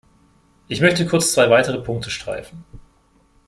Ich möchte kurz zwei weitere Punkte streifen.